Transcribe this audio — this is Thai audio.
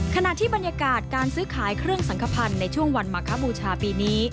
ขณะที่บรรยากาศการซื้อขายเครื่องสังขพันธ์ในช่วงวันมาคบูชาปีนี้